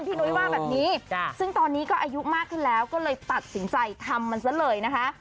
นุ้ยว่าแบบนี้ซึ่งตอนนี้ก็อายุมากขึ้นแล้วก็เลยตัดสินใจทำมันซะเลยนะคะ